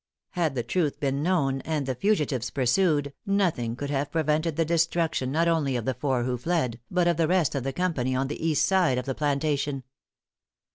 Had the truth been known, and the fugitives pursued, nothing could have prevented the destruction not only of the four who fled, but of the rest of the company on the east side of the plantation.